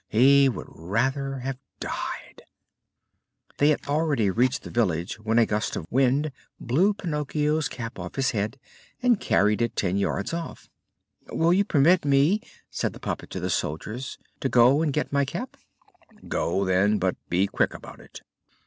He would rather have died. They had already reached the village when a gust of wind blew Pinocchio's cap off his head and carried it ten yards off. "Will you permit me," said the puppet to the soldiers, "to go and get my cap?" "Go, then; but be quick about it."